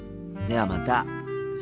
ではまた。